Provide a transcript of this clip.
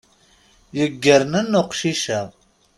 Yeggernen uqcic-a.